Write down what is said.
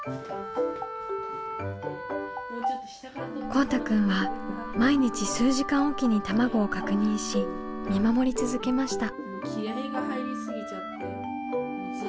こうたくんは毎日数時間おきに卵を確認し見守り続けました。